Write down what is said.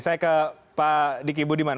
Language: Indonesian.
saya ke pak diki budiman